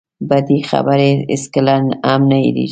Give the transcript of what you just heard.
بدې خبرې هېڅکله هم نه هېرېږي.